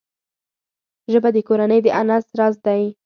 ژبه د کورنۍ د انس راز دی